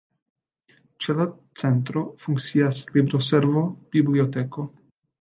Ĉe la Centro funkcias libroservo, biblioteko.